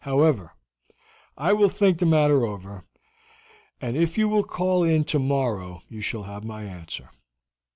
However, I will think the matter over, and if you will call in tomorrow you shall have my answer.